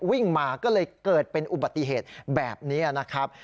วิ่งมาก็เลยเกิดเป็นอุบัติเหตุแบบนี้นะครับ